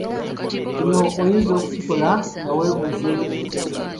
Kino oyinza okukikola nga weebuuza ebibuuzo bino.